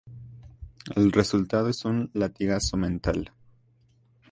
El resultado es un latigazo mental.